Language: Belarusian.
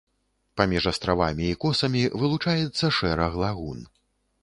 Паміж астравамі і косамі вылучаецца шэраг лагун.